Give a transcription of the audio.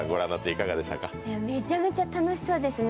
めちゃめちゃ楽しそうですね。